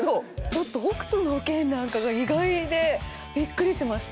ちょっと『北斗の拳』なんかが意外でびっくりしました。